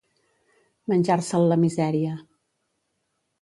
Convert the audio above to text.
Menjar-se'l la misèria.